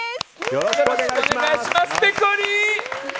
よろしくお願いしますペコリ！